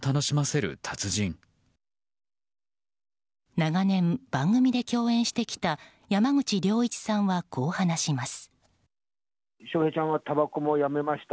長年、番組で共演してきた山口良一さんはこう話します。